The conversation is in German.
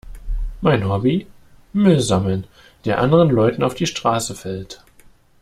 Mein Hobby? Müll sammeln, der anderen Leuten auf die Straße fällt.